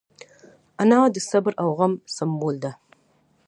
انا د صبر او زغم سمبول ده